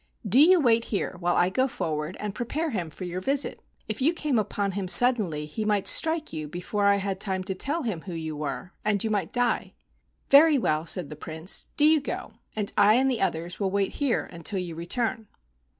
"Do you wait here while I go forward and prepare him for your visit. If you came upon him sud¬ denly, he might strike you before I had time to tell him who you were, and you might die." "Very well," said the Prince. "Do you go, 32 AN EAST INDIAN STORY and I and the others will wait here until you return."